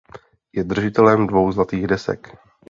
Je držitelem dvou zlatých desek.